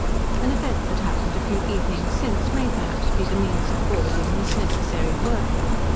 An event that happened a few evenings since may, perhaps, be the means of forwarding this necessary work.